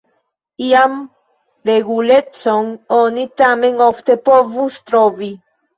Ian regulecon oni tamen ofte povus trovi.